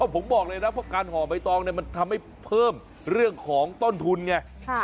ผมบอกเลยนะเพราะการห่อใบตองมันทำให้เพิ่มเรื่องของต้นทุนไง